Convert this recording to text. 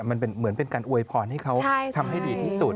มันเหมือนเป็นการอวยพรให้เขาทำให้ดีที่สุด